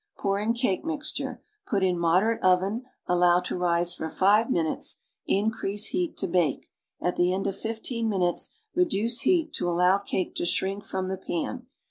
Pour in cake mixture; put in mod erate oven, allow to rise for five minutes, increase heat to bake; at the end of fifteen minutes, reduce heat to allow cake to shrink from the pan.